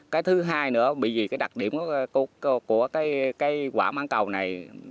cái thứ hai nữa bởi vì cái đặc điểm của cái quả măng cầu này